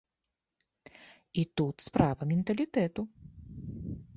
І тут справа менталітэту.